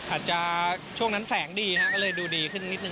อาจจะช่วงนั้นแสงดีก็เลยดูดีขึ้นนิดนึ